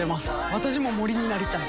私も森になりたい。